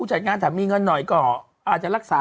ก็ขอให้ตกลงกันได้แล้วก็ทางจังหวัดก็ขอให้มีอาการช่วยเหลือเยียวยา